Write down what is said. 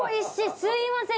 すみません